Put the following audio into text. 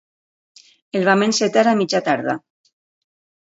El vam encetar a mitja tarda.